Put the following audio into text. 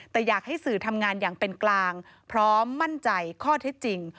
แต่อยากให้สื่อทำงานอย่างเป็นกลางพร้อมมั่นใจข้อเท็จจริง